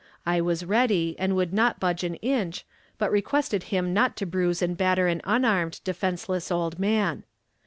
I was ready and would not budge an inch, but requested him not to bruise and batter an unarmed, defenseless old man.